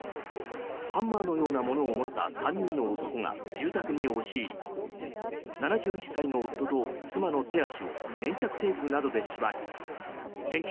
ハンマーのようなものを持った３人の男が住宅に押し入り７１歳の夫と妻の手足を粘着テープなどで縛り現金